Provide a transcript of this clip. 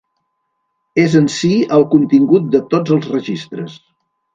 És en si, el contingut de tots els registres.